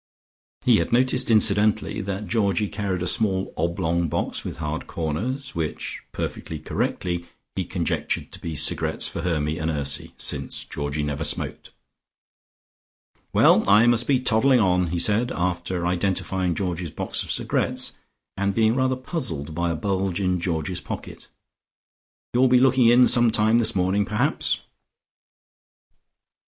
He had noticed incidentally that Georgie carried a small oblong box with hard corners, which, perfectly correctly, he conjectured to be cigarettes for Hermy and Ursy, since Georgie never smoked. "Well, I must be toddling on," he said, after identifying Georgie's box of cigarettes, and being rather puzzled by a bulge in Georgie's pocket. "You'll be looking in some time this morning, perhaps."